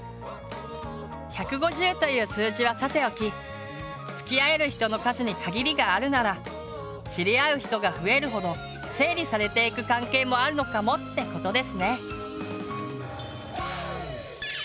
１５０という数字はさておきつきあえる人の数に限りがあるなら知り合う人が増えるほど整理されていく関係もあるのかもってことですね。